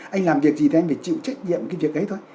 anh làm việc gì thì anh phải chịu trách nhiệm cái việc ấy thôi